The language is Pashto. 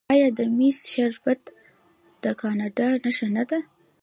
آیا د میپل شربت د کاناډا نښه نه ده؟